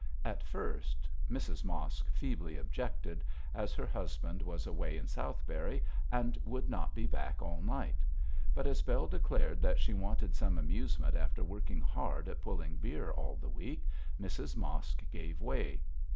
At first Mrs Mosk feebly objected, as her husband was away in Southberry and would not be back all night; but as Bell declared that she wanted some amusement after working hard at pulling beer all the week, Mrs Mosk gave way.